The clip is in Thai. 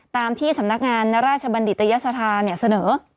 ตามที่สำนักงานนราชบัณฑิตยสถานเสนอ